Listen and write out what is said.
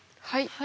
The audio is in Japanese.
はい。